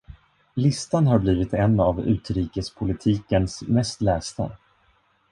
Listan har blivit en av "utrikespolitikens" mest lästa.